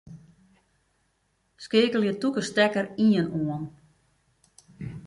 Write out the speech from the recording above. Skeakelje tûke stekker ien oan.